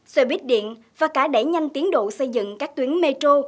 xe buýt điện và cả đẩy nhanh tiến độ xây dựng các tuyến metro